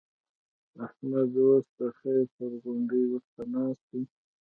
احمد اوس د خير پر غونډۍ ورته ناست دی.